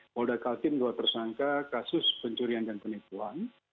polda kaltim dua tersangka kasus pencurian dan penipuan